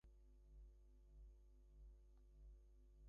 The group is collectively called the "Rapana" Class.